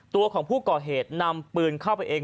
ตัวของผู้ก่อเหตุนำปืนเข้าไปเอง